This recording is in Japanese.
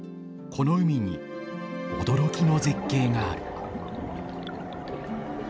この海に驚きの絶景がある。